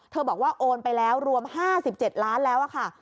บอกว่าโอนไปแล้วรวม๕๗ล้านแล้วค่ะ